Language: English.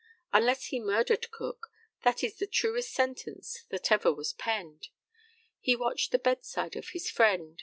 Unless he murdered Cook, that is the truest sentence that ever was penned. He watched the bedside of his friend.